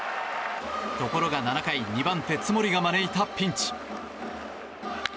ところが７回２番手、津森が招いたピンチ。